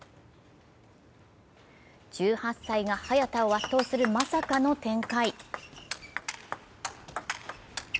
１８歳が早田を圧倒するまさかの展開。